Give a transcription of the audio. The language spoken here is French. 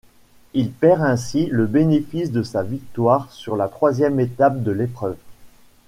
Il perd ainsi le bénéfice de sa victoire sur la troisième étape de l'épreuve.